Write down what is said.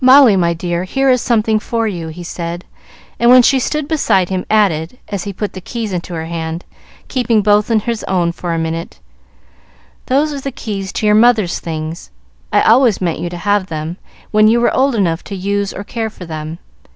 "Molly, my dear, here is something for you," he said; and when she stood beside him, added, as he put the keys into her hand, keeping both in his own for a minute, "Those are the keys to your mother's things. I always meant you to have them, when you were old enough to use or care for them.